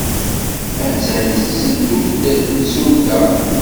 Attan tetteddu-d temsulta.